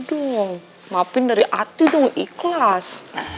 dong maafin dari hati dong ikhlas